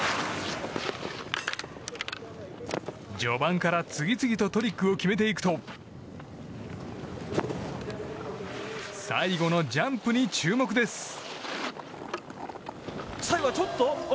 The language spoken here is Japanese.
序盤から次々とトリックを決めていくと最後のジャンプに注目です。